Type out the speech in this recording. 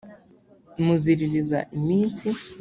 muziririza iminsi